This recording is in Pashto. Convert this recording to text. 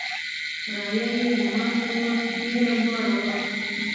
کرایه یې زما تر وس ډېره لوړه وه.